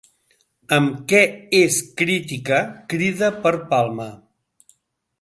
Amb què és crítica Crida per Palma?